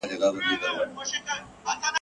ورته جوړه په ګوښه کي هدیره سوه !.